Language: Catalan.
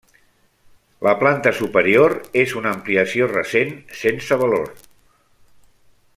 La planta superior és una ampliació recent, sense valor.